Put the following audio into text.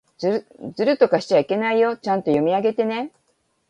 ずるとかしちゃいけないよ。ちゃんと読み上げてね。